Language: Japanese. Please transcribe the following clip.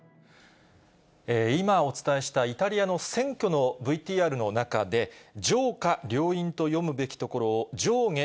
今お伝えしたイタリアの選挙のＶＴＲの中で、じょうか両院と読むべきところを、じょうげ